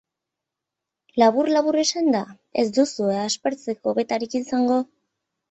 Labur-labur esanda, ez duzue aspertzeko betarik izango!